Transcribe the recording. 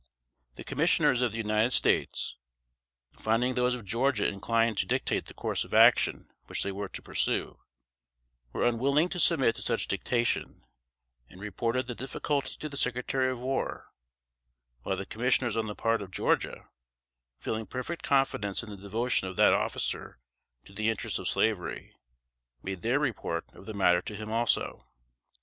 The commissioners of the United States, finding those of Georgia inclined to dictate the course of action which they were to pursue, were unwilling to submit to such dictation, and reported the difficulty to the Secretary of War; while the commissioners on the part of Georgia, feeling perfect confidence in the devotion of that officer to the interests of slavery, made their report of the matter to him also.